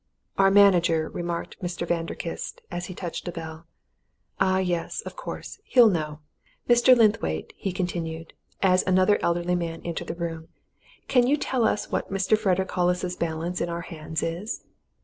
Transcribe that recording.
"Our manager," remarked Mr. Vanderkiste, as he touched a bell. "Ah, yes, of course he'll know. Mr. Linthwaite," he continued, as another elderly man entered the room, "can you tell us what Mr. Frederick Hollis's balance in our hands is?"